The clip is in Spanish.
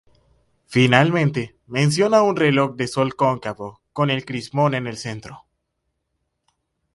Finalmente, menciona un reloj de sol cóncavo con el crismón en el centro.